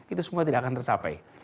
itu semua tidak akan tercapai